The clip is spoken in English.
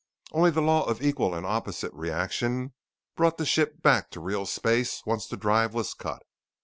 Only the law of equal and opposite reaction brought the ship back to real space once the drive was cut.